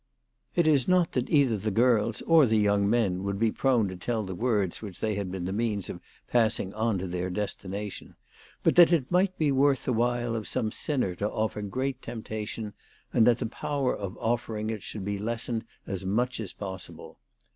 It is not that either the girls or the young men would be prone to tell the words which they had been the means of passing on to their destination, but that it might be worth the while of some sinner to THE TELEGRAPH GIRL. 307 offer great temptation, and that the power of offering it should be lessened as much as possible.